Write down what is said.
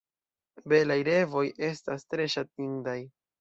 Belaj revoj estas tre ŝatindaj.